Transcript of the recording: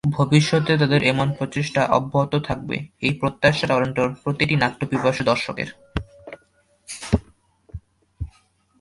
ভবিষ্যতে তাদের এমন প্রচেষ্টা অব্যহত থাকবে—এই প্রত্যাশা টরন্টোর প্রতিটি নাট্য পিপাসু দর্শকের।